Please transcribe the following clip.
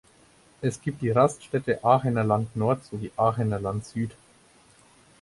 Es gibt die Raststätte "Aachener Land Nord" sowie "Aachener Land Süd".